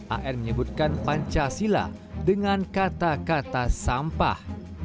an menyebutkan pancasila dengan kata kata sampah